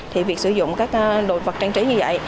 thì việc sử dụng các đồ vật trang trí như vậy